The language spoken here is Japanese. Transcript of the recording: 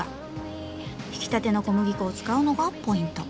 ひきたての小麦粉を使うのがポイント。